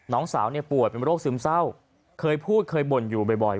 น้องสาวเนี่ยป่วยเป็นโรคซึมเศร้าเคยพูดเคยบ่นอยู่บ่อย